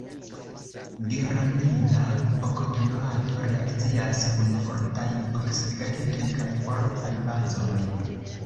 Geranila oktanoato reakcias kun fortaj oksidigagentoj kaj fortaj bazoj.